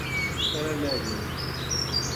تَڑے لہہ گیو